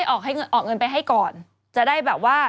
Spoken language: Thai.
ออกเงินไปให้ก่อนจะได้แบบว่า